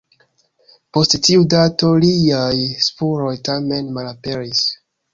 Post tiu dato liaj spuroj tamen malaperis.